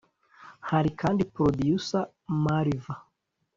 Hari kandi Producer Mariva